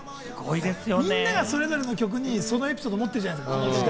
みんながそれぞれの曲にそれぞれのエピソードを持ってるじゃないですか。